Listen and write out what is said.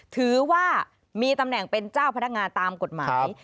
ถือว่ามีตำแหน่งเป็นเจ้าพนักงานตามกฎหมาย